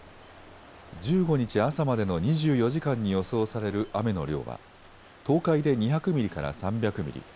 １５日朝までの２４時間に予想される雨の量は東海で２００ミリから３００ミリ